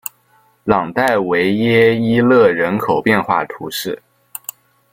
朗代维耶伊勒人口变化图示